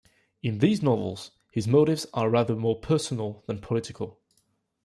In these novels, his motives are rather more personal than political.